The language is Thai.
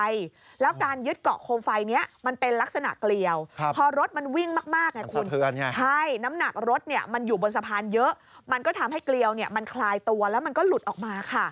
จากการคลายตัวน็อตที่ยึดเกาะคมไฟ